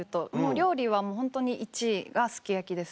料理はもうホントに１位がすき焼きですね。